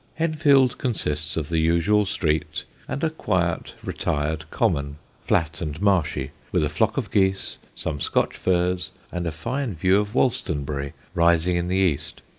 Henfield consists of the usual street, and a quiet, retired common, flat and marshy, with a flock of geese, some Scotch firs, and a fine view of Wolstonbury rising in the east.